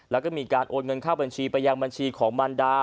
แล้วก็มีการโอนเงินเข้าบัญชีไปยังบัญชีของมันดา